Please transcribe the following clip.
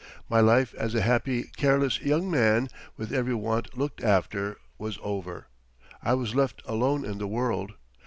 My life as a happy careless young man, with every want looked after, was over. I was left alone in the world.